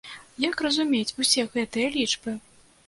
Як разумець усе гэтыя лічбы?